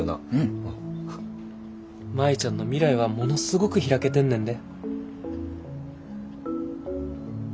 舞ちゃんの未来はものすごく開けてんねんで。